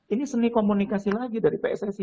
ini seni komunikasi lagi dari pssi